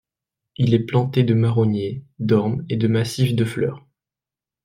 Il est planté de marroniers, d'ormes et de massifs de fleurs.